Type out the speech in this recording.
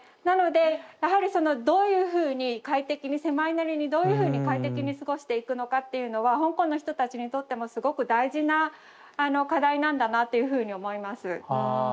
なのでやはりどういうふうに快適に狭いなりにどういうふうに快適に過ごしていくのかっていうのは香港の人たちにとってもすごく大事な課題なんだなっていうふうに思います。